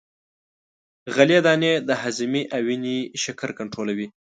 غلې دانې د هاضمې او وینې شکر کنترولوي.